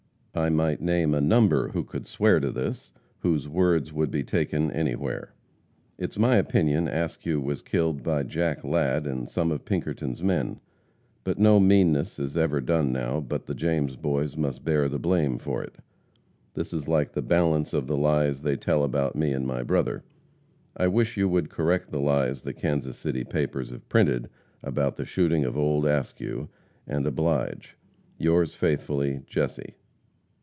I might name a number who could swear to this, whose words would be taken anywhere. It's my opinion Askew was killed by Jack Ladd and some of Pinkerton's men. But no meanness is ever done now but the James Boys must bear the blame for it. This is like the balance of the lies they tell about me and my brother. I wish you would correct the lies the Kansas City papers have printed about the shooting of old Askew, and oblige, Yours faithfully, JESSE.